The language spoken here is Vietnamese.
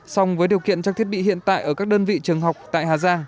xong với điều kiện trong thiết bị hiện tại ở các đơn vị trường học tại hà giang